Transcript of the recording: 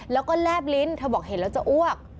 แล้วก็แลบลิ้นเธอบอกเห็นแล้วจะอ้วก